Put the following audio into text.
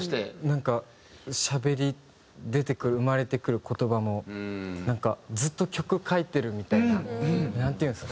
なんかしゃべり出てくる生まれてくる言葉もずっと曲書いてるみたいな。なんていうんですか。